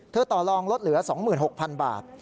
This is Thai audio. ต่อลองลดเหลือ๒๖๐๐๐บาท